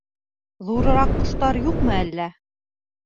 — Ҙурыраҡ ҡоштар юҡмы әллә?